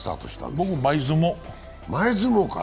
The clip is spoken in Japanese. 僕、前相撲から。